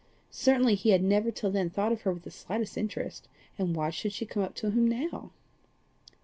Certainly he had never till then thought of her with the slightest interest, and why should she come up to him now?